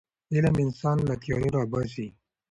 علم انسان له تیارو راباسي.